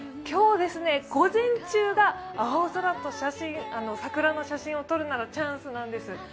今日、午前中が青空と桜の写真を撮るならチャンスなんです。